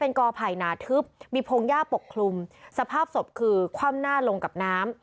กอไผ่หนาทึบมีพงหญ้าปกคลุมสภาพศพคือคว่ำหน้าลงกับน้ำ